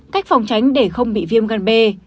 cách phòng tránh để không bị viêm gan b